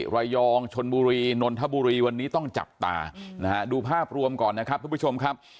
ระยองชนบุรีนนทบุรีวันนี้ต้องจับตานะฮะดูภาพรวมก่อนนะครับทุกผู้ชมครับ